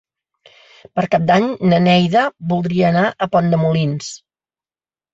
Per Cap d'Any na Neida voldria anar a Pont de Molins.